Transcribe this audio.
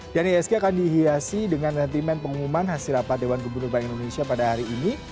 dan iisk akan dihiasi dengan sentimen pengumuman hasil rapat dewan gubernur bank indonesia pada hari ini